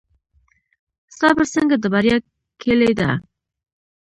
صبر څنګه د بریا کیلي ده؟